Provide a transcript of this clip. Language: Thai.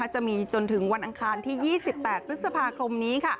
จะมีจนถึงวันอังคารที่๒๘พฤษภาคมนี้